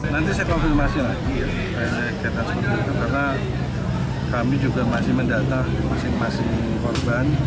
nanti saya konfirmasi lagi itu karena kami juga masih mendata masing masing korban